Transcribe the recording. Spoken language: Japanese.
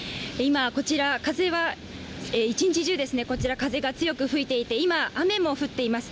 こちら、一日中、風が強く吹いていて今、雨も降っています。